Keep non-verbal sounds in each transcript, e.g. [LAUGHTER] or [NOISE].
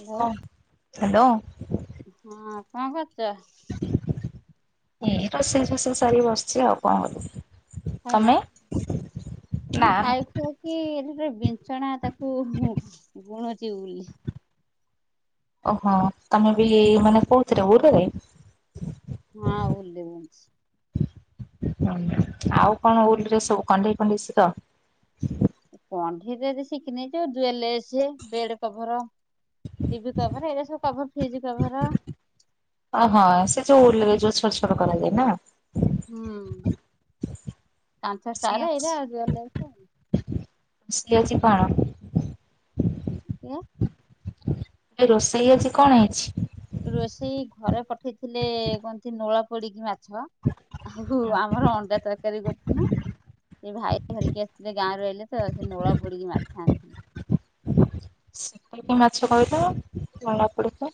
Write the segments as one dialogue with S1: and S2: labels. S1: Hello.
S2: ହ hello.
S1: ହଁ କଣ କରଛ?
S2: ଏ ରୋଷେଇ ଫୋଷେଇ ସାରିକି ବସିଛି ଆଉ କଣ କରବି
S1: ଖାଇନା
S2: ନା
S1: ମୁଁ
S2: ନା।
S1: ଖାଇ ଖୁ କି ଏଠି ବିଛଣା ତାକୁ ବୁଣୁଛି ଉଲ୍ ରେ
S2: ଓହୋ ତମେ ବି ମାନେ କୋଉଥିରେ ଉରରେ?
S1: ହଁ ଉଲରେ ବୁଣୁଛି।
S2: ହୁଁ ଆଉ କଣ ଉଲରେ ସବୁ କଢେଇ ଫଣ୍ଡେଇ ଶିଖ?
S1: କଣ୍ଢେଇ ଶିଖିନି ଯୋଉୁ ଲସେ ବେଡ କଭର ଟିଭି କଭର ଏଇଗା ସବ କଭର ଫ୍ରିଜ କଭର
S2: ଓହଁ ସେ ଯୋଉ ଉଲ ରେ ଯୋଉ ଛୋଟ କରାଯାଏ ନା?
S1: ହୁଁ କାନ୍ଥ ଟ ଷ୍ଟାର ଏଇରେ ଆଜ
S2: ଅଜି ପାଣ [UNINTELLIGIBLE]
S1: ଆଜ୍ଞା?
S2: ଏ ରୋଷେଇ ଆଜି କଣ ହେଇଛି?
S1: ରୋଷେଇ ଘରେ ପଠେଇଥିଲେ କନ୍ତି ନୂଳ ପୋଡିକି ମାଛ ଛ ଆଉ ଆମର ଅଣ୍ଡା ତରକାରୀ କରିଛି ନା ସେ ଭାଇ ଧରିକି ଆସିଥିଲେ ଗାଁ ର ରଲେ ତ ସେ ନୋଳ ପୋଡିକି ମାଛ ଆଣିିଥିଲେ।
S2: ମୁଁ କହିଲି କି ମାଛ କହିଲ [INAUDIBLE]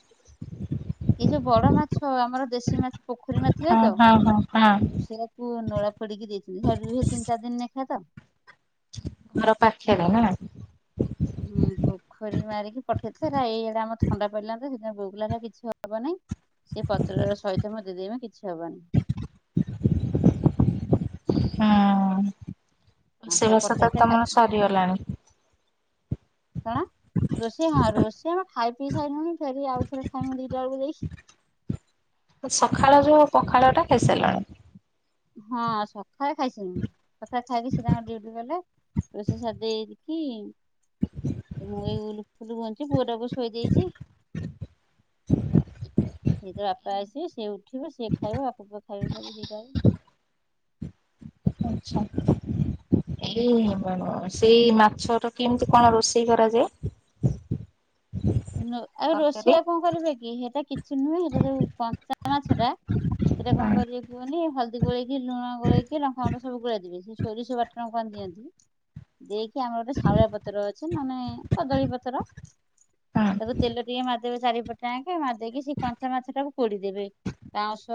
S1: ଏଇ ଯୋଉ ବଡ ମାଛ ଆମର ଦେଶୀ ମାଛ ପୋଖରୀ ମାଛ
S2: ହଁ ହଁ ହଁ ହଁ।
S1: ଜାଣିଛ? ପୁଅ ନଳା ପୋଡିକି ଦେଇଛନ୍ତି ସେ ସେ ତିନି ଚାର ଦିନ ନେଖା ତ
S2: ଘର ପାଖରେ ନା?
S1: ହୁଁ ପୋଖରୀ ମାରିକି ପଠେଇଥା ଏଇଆଡା ଆମର ଥଣ୍ଡା ପଡିଲାନତା ସେଥିିନ ବୁଗୁଲାଟା କିଛି ହବ ନାହିଁ ସେ ପତ୍ର ସହିତ ମତେ [INAUDIBLE] କିଛି ହବନି।
S2: ହୁଁ
S1: ଆଉ ସେରା
S2: ରୋଷେଇବାଷ ତା
S1: ପଠେଇଥିଲେ
S2: ହେଲେ
S1: ଖାଇ
S2: ତମର ସରିଗଲାଣି?
S1: କଣ ରୋଷେଇ ହଁ ରୋଷେଇ ଆମ ଖାଇ ପିଇସାଇଲୁଣି ଫେରି ଆଉଥରେ ଖାଇ ମୁଁ ଦିଟା ବେଳକୁ ଯାଇକି
S2: ସକାାଳ ଯୋଉ ପଖାଳ ଟା ଖାଇସାରିଲଣି?
S1: ହଁ ସକାଳେ ଖାଇସାଇଲିନି ସକାଳେ ଖାଇକି ସେ ତାଙ୍କର ଡ୍ୟୁଟି ଗଲେ ରୋଷେଇ ସାରିଦେଇ କି ମୁଁ ଏଇ ଉଲ୍ ଫୁଲ [INAUDIBLE] ପୁଅଟାକୁ ଶୋଇ ଦେଇେଇଛି। ସେ ତ ବାପା ଆସିବେ ସିଏ ଉଠିବ ସିଏ ଖାଇବ ଆଗକୁ ଖାଇବେ ସବୁ ଦିଟାଳେ
S2: ଆଛା। ଏଇ ସେଇ ମାଛ ର କେମିତି କଣ ରୋଷେଇ କରାଯାଏ?
S1: ଆଉ
S2: ତରକାରୀ
S1: ରୋଷେଇଆ କଣ କରିବେ କି ସେଟା କିଛି ନୁହେଁ ସେଟା ଯୋଉ କଞ୍ଚା ମାଛ ଟା ସେଇଟା କଣ
S2: ହଁ
S1: କରିବେ କୁହନି ହଳଦୀ ଗୋଳେଇକି ଲୁଣ ଗୋଳେଇକି ଲଙ୍କାଗୁଣ୍ଡ ସବୁ ଗୋଳେଇ ଦେବି ସେ ସୋରିଶଷ ବାଟଣ ଟଙ୍କ ଆଣି ଦିଅନ୍ତି ଦେଇକି ଆମର ଗୋଟେ ଶାଉଳିଆ ପତର ଅଛି ନ ହେଲେ କଦଳୀ ପତର ତାକୁ ତେଲ ଟିକେ ମାରିଦେବେ ଚାରିପଟ ହାଙ୍କେ ମାରି ଦେଇେକି ସେଇ କଂଞ୍ଚା ମାଛ ଟାକୁ ପୋଡିଦେବେ ପାଉସ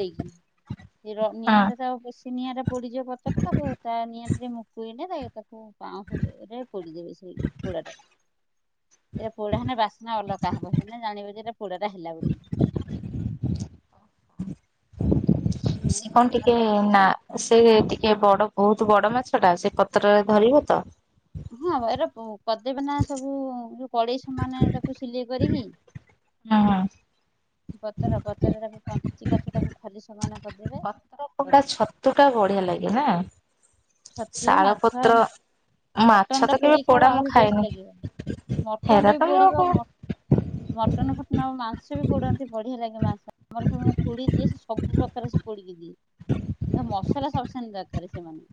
S1: ଦେଖି ସେ ର ନିଆ ଟା
S2: ହଁ
S1: ତ ସେ ନିଆଁଟରେ ପୋଡ଼ିଯିବ ପତ୍ରଟା ତାକୁ ତା ନିଆଁଟରେ ମୁକୁଇଲେ ତା ତାକୁ ପାଉଁଶରେ ପୋଡ଼ିଦେବେ ସେଇ ପୁଡ଼ା ଟାକୁ ପୋଡ଼ା ହୋନ ବାସ୍ନା ଅଲଗା ହବ ଜାଣିବ ଯେଟ ପୋା ହେଲା ବୋଲିକି।
S2: ସେ କଣ ଟିକେ ନା ସେ ଟିକେ ବଡ ବହୁତ୍ ବଡ ମାଛ ଟା ସେ ପତ୍ରରେ ଧରିବ ତ।
S1: ହଁ ଏରା କରିଦେବେ ନା ସବୁ ଯୋଉ କଡେଇ ସମାନ ତାକୁ ସିଲେଇ କରିକି।
S2: ହଁ।
S1: ବତର ବତରରେ ବଞ୍ଚିକାଠି ତାକୁ ଖଲି ସମାନ କରିଦେବେ
S2: ପତ୍ର ପୋଡା ଛତୁ ଟା ବଢିଆ ଲାଗେ ନା।
S1: ଛତୁ
S2: ଶାଳ
S1: ମାଛ
S2: ପତ୍ର ମାଛ
S1: ମଟନ
S2: ତ
S1: ଟା
S2: କେବେ
S1: ପୋଡ଼ି ଖାଇବ
S2: ପୋଡା ମୁଁ
S1: ଆହୁରି ଟେଷ୍ଟ
S2: ଖାଏନି
S1: ଲାଗିବ ମଟନ
S2: ହେରା
S1: ଟା
S2: ତ
S1: ବି ପୋଡ଼ିବ
S2: ମୁଁ
S1: ମଟନ ଫଟନ ଆଉ ମାଂସ ବି ପୋଡନ୍ତି ବଢିଆ ଲାଗେ ମାଂସ ଆମର ସବୁ ମୋ ଖୁଡି ଯିଏ ସବୁ ପ୍ର୍ରକାର ସେ ପୋଡିକି ଦିଏ କିନ୍ତୁ ମସଲା ସପିଷେଣ୍ଟ ଦରକାର ସେମାନେ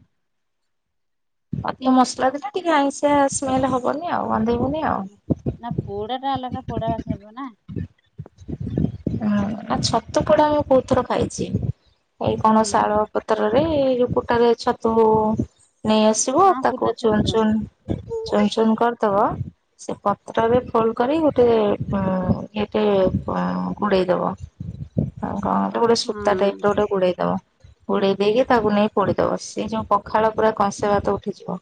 S2: ଅଧିକ ମସଲା ଦେଲେ ଟିକେ ଆଇଁଷିଆ ସ୍ମେଲ ହବନି ଆଉ ଗନ୍ଧେଇବନି। ଆଉ।
S1: ନା ପୋଡା ଟା ଅଲଗା ପୋଡା ବାସ୍ନା ହେବ ନା।
S2: ହୁଁ ନା ଛତୁ ପୋଡା ମୁଁ ବହୁତ ଥର ଖାଇଛି ଏଇ କଣ
S1: ହୁଁ
S2: ଶାଳୁଆପତ ପତ୍ରରେ କୁଟା ରେ ଛତୁ ନେଇ ଆସିବୁ
S1: ହଁ ଫୁଟା
S2: ତାକୁ ଚୁନ
S1: ଛତୁ
S2: ଚୁନ
S1: ହୁଁ
S2: ଚୁନ ଚୁନ କରିଦବ ସେ ପତ୍ର ବି ଫୋଲଡ କରି ଗୋଟେ ଉ ଏଟେ ଘୋଡେଇ ଦବ। ଆଉକଣ ଗୋଟେ ସୂତା ଟାଇପ ର
S1: ହଁ
S2: ଗୋଟେ ଗୁଡେଇ ଦବ। ଗୁଡ଼େଇ ଦେଇକି ତାକୁ ନେଇ ପୋଡିଦବ ସେଇ ଯୋଉ ପଖାଳ ପୁରା କଂସେ ଭାତ ଉଠିଯିବ।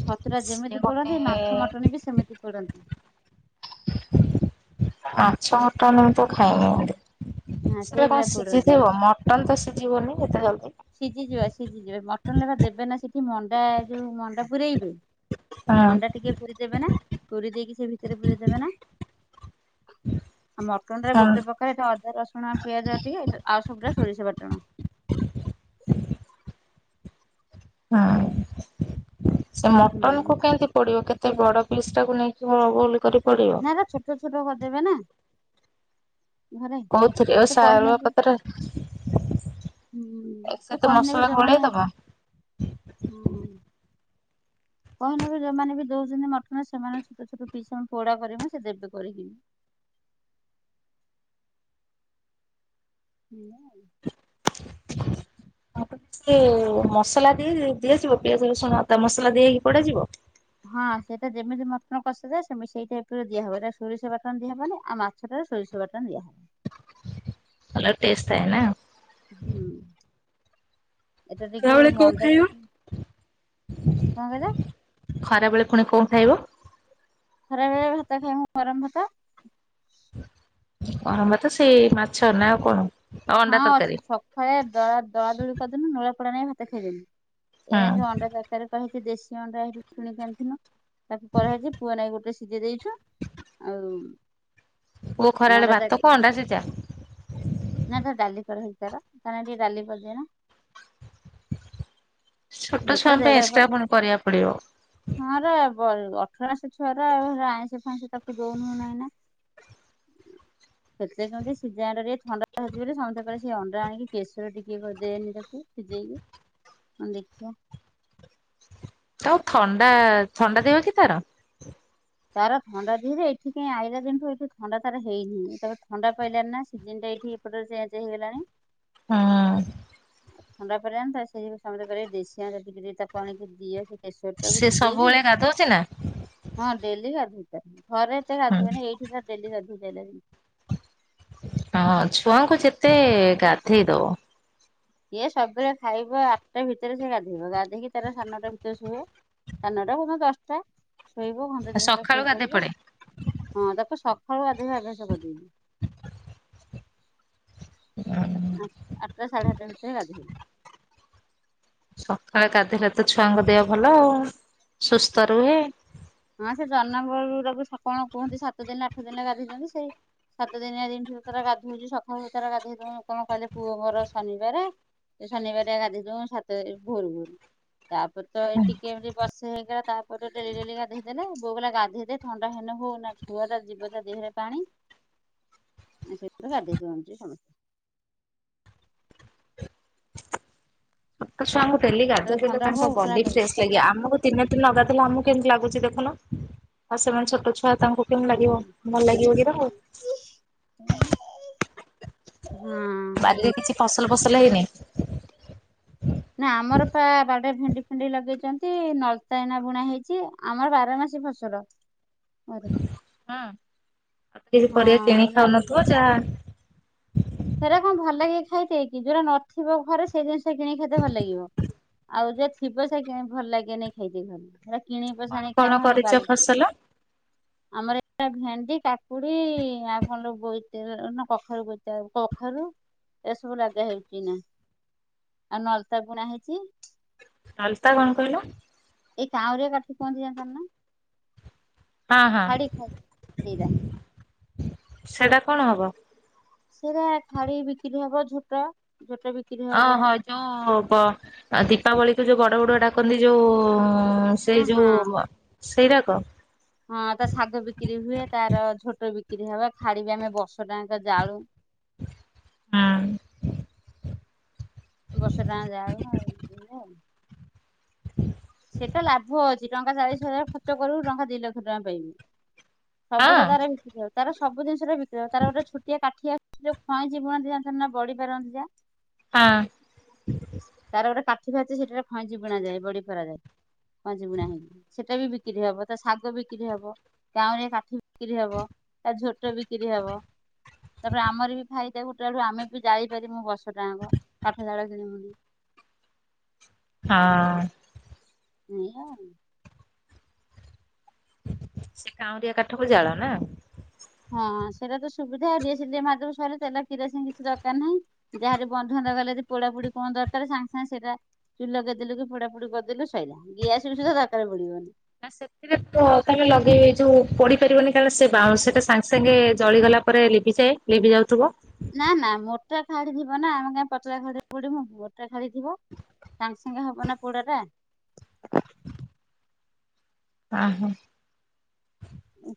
S1: ଛତୁରା
S2: ସିଏ
S1: ଯେମିତି
S2: ଗୋଟେ
S1: ପୋଡ଼ନ୍ତି ମାଛ ମଟନ ବି ସେମିତି ପୋଡନ୍ତି।
S2: ମାଛ ମଟନ ତ ମୁଁ ଖାଇନି ହେନ୍ତି।
S1: ହଁ
S2: ସେଟା କଣ
S1: ସେଇଭଳିଆ ପୋଡନ୍ତି।
S2: ସିଝିଥିବ ମଟନ ତ ସିଝିବନି ଏତେ ଜଲ୍ଦୀ।
S1: ସିଝିଯିବ ସିଝିଯିବ ମଟନ ରେ ପା ଦେବେ ନା ସେଠି ମଣ୍ଡା ଯୋଉ ମଣ୍ଡା ପୁରଇବେ। ମଣ୍ଡା
S2: ହଁ
S1: ଟିକେ କୋରି ଦେବେ ନା କୋରି ଦେଇକି ସେ ଭିତରେ ପୁରେଇ ଦେବେ ନା। ଆ ମଟନ ରେ
S2: ହଁ
S1: ଗୋଟେ ପ୍ରକ ଅଦା ରସୁଣ ପିଆଜ ଟିକେ ଏ ଆଉ ସବୁରା ସୋରିଷ ବାଟଣ।
S2: ହଁ ସେ
S1: ହୁଁ
S2: ମଟନ କୁ କେମିତି ପୋଡିବ କେତେ ଏତେ ବଡ ପିସ୍ ଟାକୁ ନେଇକି କରି ପଡିବ।
S1: ନା ହେରା ଛୋଟ ଛୋଟ କରିଦେବେ ନା ଘରେ
S2: କୋଉଥିରେ ଓ
S1: ସେ କହିନେବି
S2: [UNINTELLIGIBLE]
S1: ହୁଁ
S2: ସେତ
S1: କହିନେବି
S2: ମସଲା ଗୋଳେଇ
S1: ଯୋଉମାନେ
S2: ଦବ।
S1: କହିନେ ବି ଯୋଉମାନେ ବି ଦୋଉଛନ୍ତି ମଟନ ସେମାନେ ଛୋଟ ଛୋଟ ପିସ୍ ପୋଡା କରିମୁ ସେମାନେ ଦେବ କରିକି। ହୁଁ।
S2: ଆ ଟିକେ ମସଲା ଦେଇ ଦିଆଯିବ ପିଆଜ ରସୁଣ ଅଦା ମସଲା ଦିଆ ହେଇକି ପୋଡାଯିବ।
S1: ହଁ ସେଇଟା ଯେମିତି ମଟନ କଷାଯାଏ ସେମତି ସେଇ ଟାଇପ ରେ ଦିଆ ହବ ଏଇଟା ସୋରିଷ ବାଟଣ ଦିଆ ହବନି ଆଉ ମାଛ ମାଛଟାରେ ସୋରିଷ ବାଟଣ ଦିଆ ହେବ।
S2: ଭଲ ଟେଷ୍ଟ ଥାଏନା।
S1: ହୁଁ। ଏଟା ଟିକେ
S2: ଖରାବେଳେ କଣ
S1: ମଣ୍ଡା
S2: ଖାଇବ?
S1: କଣ କହିଲ?
S2: ଖରା ବେଳେ ପୁଣି କୋଣ ଖାଇବ?
S1: ଖରାବେଳେ ଭାତ ଖାଇ ମୁଁ ଗରମ ଭାତ।
S2: ଗରମ ଭାତ ସେଇ ମାଛ ନାଁ ଆଉ କଣ। ଅଣ୍ଡା
S1: ହଁ
S2: ତରକାରୀ
S1: ଅଛି। ସକାଳେ ଦଳା ଦୁଳି କରିଦେନୁ ନୋଳା ପୋଡ଼ା ନଗେଇ ଭାତ ଖାଇଦେନୁ। ଏଇନାକେ
S2: ହୁଁ
S1: ଅଣ୍ଡା ତରକାରୀ ହେଇଛି ଦେଶୀ ଅଣ୍ଡା କିଣିିକ ଆଣିଥିନୁ ତାକୁ କରହେଇଚି। ପୁଆ ନାଗି ଗୋଟେ ସିଝେଇ ଦେଇଛୁ। ଆଉ
S2: ପୁଅ
S1: ସେ
S2: ଖରାବେଳେ
S1: ଅଣ୍ଡା ତର
S2: ଭାତକୁ ଅଣ୍ଡା ସୀଝା?
S1: ନା ତାର ଡାଲିି କରାହେଇଛି ତାର। ତା ନାଗି ଟିକେ ଡାଲି କରିଦିଏନା।
S2: ଛୋଟ
S1: ହେଇତ
S2: ଛୁଆଙ୍କ ପାଇଁ ଏକ୍ସଟ୍ରା ପୁଣି କରିବାକୁ ପଡିବ।
S1: ହଁରା ବ ଅଠର ମାଶ ଛୁଆରା ଆଉ ହେରା ଆଇଁଷ ଫାଇଁସ ତାକୁ ଦଉନୁ ନା ଏନା। [UNINTELLIGIBLE] କେତେଲେ କେମିତି ସିଝା ଅଣ୍ଡା ଟିକେ ଥଣ୍ଡା ହୋଉଛି ବୋଲି ସମସ୍ତେ କହିଲେ ସେଇ ଅଣ୍ଡା ଆଣିକି କେଶର ଟିକେ କ ଦେନି ତାକୁ। ସିଯେଇକି ମୁଁ କହିନି ଦେଖିଆ।
S2: ତାକୁ ଥଣ୍ଡା ଥଣ୍ଡା ଦେହ କି ତାର?
S1: ତାର ଥଣ୍ଡା ଦେହଯେ ଏଠି କାହିଁ ଆଇଲା ଦିନଠୁ ଏଠୁ ଥଣ୍ଡା ତାର ହେଇନି ତ ଥଣ୍ଡା ପାଇଲାନି ନା ସିଜନ ଟା ଏଠି ଏପଟରେ ଚେଞ୍ଚ ହେଇଗଲାଣି।
S2: ହଁ।
S1: ଥଣ୍ଡା ପଡିଲାନି ତ ସେଇ ଯୋଗୁ ସମସ୍ତେ କହିଲେ ଦେଶୀ ଅଣ୍ଡା ଟିକେ ଟିକେ ତାକୁ ଆଣିକି ଦିଅ ସେ କେସରଟାକୁ ସିଝେଇକି
S2: ଗାଧୋଉଚି ନା?
S1: ହଁ ଡେଲି ଗାଧୋଉଛି ତାକୁ। ଘରେ ଏତେ
S2: ହୁଁ
S1: ଗାଧୁଏନି ଏଇଠି ତାକୁ ଡେଲି ଗାଧୋଉଚି ଅଇଲା ଦିନଠୁ।
S2: ହଁ ଛୁଆଙ୍କୁ ଯେତେ ଗାଧେଇ ଦବ
S1: ଇଏ ସବୁବେଳେ ଖାଇବ ଆଠଟା ଭିତରେ ସେ ଗାଧେଇବ ଗାଧେଇକି ତାର ସାଢେ ନଅଟା ଭିତରେ ଶୁଏ। ସାଢେ ନଅଟା କୋଉଦିନ ଦଶଟା ଶୋଇବ ଘଣ୍ଟା ଦି ଘଣ୍ଟା
S2: ସକାଳୁ
S1: ଶୋଇ
S2: ଗାଧେଇ
S1: ପଡିବ।
S2: ପଡେ।
S1: ହଁ ତାକୁ ସକାଳୁ ଗାଧେଇବା ଆଭ୍ୟାସ କରିଦେଇଚି। ଆଠ ଆଠଟା ସାଢ଼େ ଆଠଟା ଭିତରେ ଗଧେଇଦେମି।
S2: ସକାଳେ ଗାଧେଇଲେ ତ ଛୁଆଙ୍କ ଦେହ ଭଲ ଆଉ ସୁସ୍ଥ ରୁହେ।
S1: ହଁ ସେ ଜନ୍ମ ବେଳରୁ ସ କଣ କୁହନ୍ତି ସାତ ଦିନ ଆଠ ଦିନରେ ଗାଧେଇଦିଅନ୍ତି ସେ ସାତ ଦିନିଆ ଦିନଠୁ ସେ ତାର ଗାଧୋଉଛି ସକାଳୁ ସେ ତାର ଗାଧେଇ ଦୋଉଁ କଣ କହିଲେ ପୁଅ ଙ୍କର ଶନିବାର। ଶନିବାରିଆ ଗାଧେଇ ଦୋଉଁ ସାତ ଭୋର ଭୋରୁ ତାପ ତ ଏ ଟିକେ ଏମିତି ବର୍ସେ ହେଇଗଲା ତାପରେ ତ ଡେଲି ଡେଲି ଗାଧ ଦେଲେ ବୋଉ କହିଲା ଗାଧେଇ ଦେ ଥଣ୍ଡା ହେନେ ହଉ ନା ଛୁଆ ଟା ଯିବ ତା ଦେହରେ ପାଣି। ସେଥିପାଇଁ ଗାଧେଇ ଦିଅନ୍ତି ସମସ୍ତେ।
S2: ଛୋଟ ଛୁଆଙ୍କୁ ଡେଲି
S1: କହିଲା
S2: ଗାଧେଇଦେଲେ
S1: ଥଣ୍ଡା
S2: ତାଙ୍କ
S1: ହଉ କହିଲା
S2: ବଡି ଫ୍ରେଶ୍
S1: ମେଡିସିନ
S2: ଲାଗିବ। ଆମକୁ ଦିନେ ତ ନ ଗାଧେଇଲେ ଆମକୁ କେମିତି ଲାଗୁଛି ଦେଖୁନ ଆଉ ସେମାନେ ଛୋଟ ଛୁଆ ତାଙ୍କୁ କେମିତି ଲାଗିବ
S1: ହୁଁ
S2: ଭଲ ଲାଗିବ କି ତାଙ୍କୁ।
S1: ହଁ।
S2: ବାରିରେ କିଛି ଫସଲ ଫସଲ ହେଇନି?
S1: ନା ଆମର ପା ବାଡିରେ ଭେଣ୍ଡି ଫେଣ୍ଡି ଲଗେଇଛନ୍ତି ନଳିତା ଏଇନା ବୁଣା ହେଇଛି। ଆମର ବାର ମାସୀ ଫସଲ ଘରେ।
S2: ହଁ କିଛି ପରିବା କିଣି
S1: ଏଇନା
S2: ଖାଉନଥିବ ଯାହା
S1: ହେରା କଣ ଭଲ ଲାଗେ ଖାଇତେ କି ଯୋଉଟା ନଥିବ ଘରେ ସେଇ ଜିନିଷଟା କିଣିକି ଖାଇତେ ଭଲ ଲାଗିବ। ଆଉ ଯେ ଥିବେ ସେ କି ଭଲ ଲାଗେନାଇଁ ଖାଇତେ ଘରେ। ଏରା କିଣିକି ପଛେ
S2: କଣ
S1: ଆଣି
S2: କଣ
S1: ଖାଇମୁ
S2: କରିଛ
S1: ବାଡିରୁ
S2: ଫସଲ?
S1: ଆମର ଏ ଭେଣ୍ଡି କାକୁଡି ଆଉ କଣ ଲୋ ବୋଇତ ନା କଖାରୁ ବୋଇତାଳୁ କଖାରୁ ଏରାସବୁ ଲଗାହେଉଛି ଏନା। ଆଉ ନଳିତା ବୁଣା ହେଇଛି।
S2: ନଳିତା କଣ କହିଲ?
S1: ଏଇ କାଉଁରିଆ କାଠ କୁହନ୍ତି ଜାଣିଛ ନା?
S2: ହଁ ହଁ
S1: ଖାଡି ଖାଡି ସେଇଟା
S2: ସେଟା କଣ ହବ?
S1: ସେଇରା ଖାଡି ବିକ୍ରି ହବ ଝୋଟ ଝୋଟ ବିକ୍
S2: ଅ ହଁ ଯୋଉ ବ ଦୀପାବଳିକୁୁ ଯୋଉ ଗଡ ଗଡୁଆ ଡାକନ୍ତି ଯୋଉ ହଁ ସେଇ ଯୋଉ ସେଇରାକ?
S1: ହଁ ତା ସାଗ ବିକିରି ହୁଏ ତାର ଝୋଟ ବିକିରି ହବା ଖାଡି ବି ଆମେ ବର୍ଷଟାଆଙ୍କ ଜାଳୁ।
S2: ହୁଁ।
S1: ବର୍ଷଟାଙ୍ଆଙ୍କ ଜାଳୁ ଆଉ ଏଇଆ। ସେଟା ଲାଭ ଅ ଜି ଟଙ୍କା ଚାଳିଶ ହଜାର ଖର୍ଚ୍ଚ କରିବୁ ଟଙ୍କା ଦି ଲକ୍ଷ ଟଙ୍କା ପାଇବୁ ସବୁଠା
S2: ହଁ
S1: ତାର ବିକ୍ରି ଅଛି। ତାର ସବୁ ଜିନିଷରେ ବିକ୍ରୟ ତାର ଗୋଟେ ଛୋଟିଆ କାଠିଆ ଯଉ ଖଇଁଚି ବୁଣନ୍ତି ଜାଣିଚ ନା ବଡି ପାରନ୍ତି ଯା?
S2: ଆ
S1: ତାର ଗୋଟେ କାଠି ଫାଚି ସେଠଟାରେ ଫଇଁଚି ବୁଣାଯାଏ ବଡି ପରାଯାଏ। ଫଇଁଚି ବୁଣା ହୁଏ ସେଟା ବି ବିକ୍ରି ହବ ତା ଶାଗ ବିକ୍ରି ହବ କାଉଁରିଆ କାଠି କ୍ରି ହବ ତା ଝୋଟ ବିକ୍ରି ହବ। ତାପରେ ଆମର ବି ଫାଇଦା ଗୁଟେ ଆଡୁ ଆମେ ବି ଜାଳି ପାରିବୁ ବର୍ଷଟାଆଙ୍କ କାଠ ଜାଳ କିଣିବୁନି।
S2: ହଁ।
S1: ଏଇଆ ଆଉ।
S2: ସେ କାଉଁରିଆ କାଠକୁ ଜାଳ ନା?
S1: ହଁ ସେଇଟା ତ ସୁବିଧା ଡିଆସିଲି ଟିକେ ମାରିଦେବୁ ସଇଲା ତେଲ କିରୋସିନ କିଛି ଦରକାର ନାହିଁ। ଯାହାର ବନ୍ଧୁ ବାନ୍ଧବ ଗଲେ ଯଦି ପୋଡା ପୋଡି କଣ ଦରକାର ସାଙ୍ଗେ ସାଙ୍ଗେ ସେଟା ଚୁଲ ଲଗେଇଦେଲୁ କି ପୁଡ଼ା ପୋଡି କରିଦେଲୁ ସଇିଲା ଗ୍ୟାସ୍ସ ବି ସୁଦ୍ଧା ଦରକାର ପଡ଼ିବନି।
S2: ନା [UNINTELLIGIBLE] [UNINTELLIGIBLE] ତାହାଲେ ଲଗେଇ ଯୋଉ ପଡ଼ିପାରିବନି କାରଣ ସେ ବାଉସଟା ସାଙ୍ଗେ ସାଙ୍ଗେ ଜଳିଗଲା ପରେ ଲିଭିଯାଏ। ଲିବି ଯାଉଥିବ।
S1: ନା ନା ମୋଟା ଖାଡି ଥିବ ନା ଆମେ କାଇଁ ପତଳା ଖାଡି ରେ ପୁଡ଼ିବୁ। ମୋଟା ଖାଡ଼ିଥିବ ସାଙ୍ଗେ ସାଙ୍ଗେ ହବ ନା ପଡା ଟା।
S2: ଆ ହା।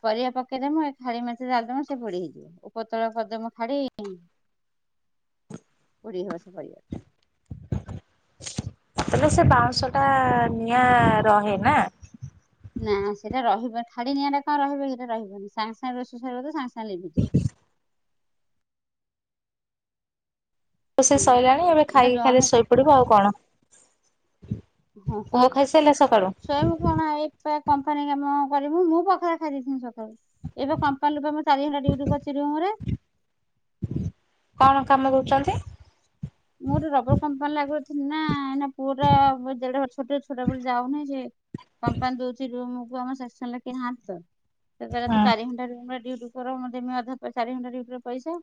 S1: ପରିବା ପକେଇଦମୁ ଏ ଖାଡି ମେଂଚେ ଡାଳିଦବୁ ସେ ପୋଡି ହେଇଯିବ ଉପରତଳ କରିଦାମୁ ଖାଡି ପୋଡ଼ିହବ ସେ ପରିବା।
S2: ତାହେଲେ ସେ ବାଉଁଶ ଟା ନିଆଁ ରହେ ନା?
S1: ନା ସେଇଟା ରହିବନି ଖାଡି ନିଆଁ ଟା କଣ ରହିବକି ସେଇଟା ରହିବନି ସାଙ୍ଗ ସାଙ୍ଗ ରୋଷେଇ ସରିବ ତ ସାଙ୍ଗେ ସାଙ୍ଗେ ଲିଭିଯିବ।
S2: ରୋଷେଇ
S1: ଏଇଆ
S2: ସଇଲାଣି
S1: ଆଉ
S2: ଏବେ
S1: ଏଇଟା
S2: ଖାଇକି ଖାଲି
S1: ଜଣେ
S2: ଶୋଇପଡିବୁ ଆଉ କଣ? ପୁଅ ଖାଇ ସାଇଲା ସକାଳୁ?
S1: ସୋଇବୁ କଣ ଏଇପା କମ୍ପାନୀ କାମ କରିବୁ ମୁଁ ପାଖଳ ଖାଇଦେଇଥିଲିନି ସକ୍? ଏବେ କମ୍ପାଲୁପା ମୁଁ ଚାରି ଘଣ୍ଟା ଡିଉଟି କରୁଚି ରୁମରେ।
S2: କଣ କାମ କରୁଚନ୍ତି?
S1: ମୁଁ ଗୋଟେ ରବର କମ୍ପାନୀଲେ ଆଗରୁଥିଲିନା ଏଇନା ପୁଅଟା ଦେଢ଼ବର୍ଷ ଛୋଟିଆ ଛୁଆଟା ବୋଲି ଯାଉନିଁ ଯେ କମ୍ପାନୀ ଦଉଚି ରୁମକୁ ଆମର [UNINTELLIGIBLE] ସେ କହିଲା ତୁ
S2: ହଁ
S1: ଚାରି ଘଣ୍ଟା ରୁମ ରେ ଡିଉଟି କର ମୁଁ ଦେମି ଅଧା ପଇ ଚାରି ଘଣ୍ଟା ଡିଉଟିର ପଇସା।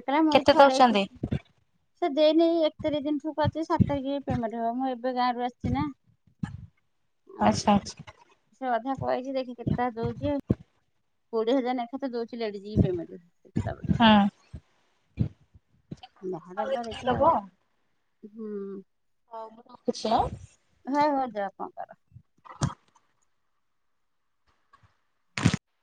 S1: ଏକଲା ମୁଇ
S2: କେତେ
S1: ଛଡେଇ
S2: ଦଉଛନ୍ତି
S1: କିଛୁ ସେ ଦେଇନେଇ ଏକ ତାରିଖ ଦିନ ଠୁ କରିଚି ସାତ ତାରିଖ ପେମେଣ୍ଟ ହବ ମୁଁ ଏବେ ଗାଁରୁ ଆସିଚିନା। ଆଉ
S2: ଆଚ୍ଛା ଆଚ୍ଛା।
S1: ସେ ଅଧା କଇଚି ଦେଖି କେତେଟା ଦଉଚି ଆଉ। କୋଡିଏ ହଜାର ନେଖେତ ଦଉଚି ଲେଡିଜି କି ପେମେଣ୍ଟେ।
S2: ହଁ।
S1: ଯାହା
S2: ହଉ
S1: ଦବ ଦେଖିଆ ଆଉ।
S2: ହଉ ମୁଁ ରଖୁଚି ଆଁ।
S1: ହଁ ହ ଯାଅ କଣ କର।